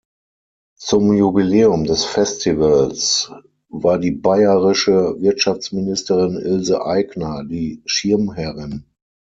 Zum Jubiläum des Festivals war die bayerische Wirtschaftsministerin Ilse Aigner die Schirmherrin.